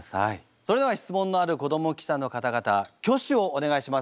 それでは質問のある子ども記者の方々挙手をお願いします。